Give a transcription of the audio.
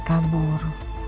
dia kembali ke labor